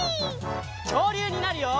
きょうりゅうになるよ！